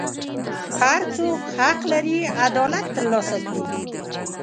هر څوک حق لري عدالت ترلاسه کړي.